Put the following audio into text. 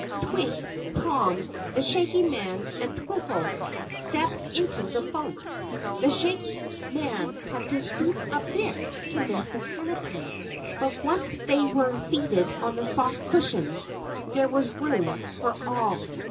Twink, Tom, the Shaggy Man, and Twiffle stepped into the boat. The Shaggy Man had to stoop a bit to miss the canopy, but once they were seated on the soft cushions there was room for all.